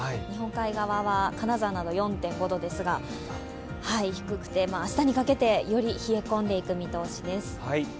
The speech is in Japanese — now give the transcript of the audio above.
日本海側は金沢など４．５度ですが、低くて明日にかけて、より冷え込んでいく見通しです。